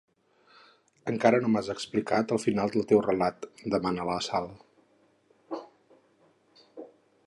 Encara no m'has explicat el final del teu relat, demana la Sal.